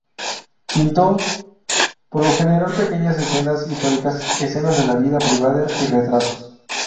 Pintó, por lo general, pequeñas escenas históricas, escenas de la vida privada y retratos.